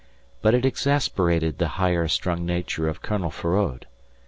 But it exasperated the higher strung nature of Colonel Feraud.